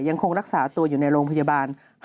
ยังคงรักษาตัวอยู่ในโรงพยาบาล